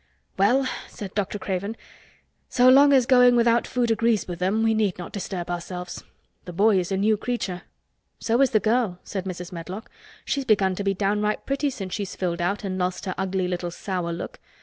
"Well," said Dr. Craven, "so long as going without food agrees with them we need not disturb ourselves. The boy is a new creature." "So is the girl," said Mrs. Medlock. "She's begun to be downright pretty since she's filled out and lost her ugly little sour look.